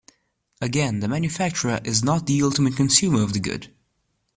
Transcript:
Again, the manufacturer is not the ultimate consumer of the good.